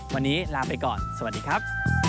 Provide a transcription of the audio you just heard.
วันนี้ลาไปก่อนสวัสดีครับ